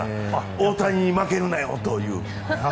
大谷に負けるなよという。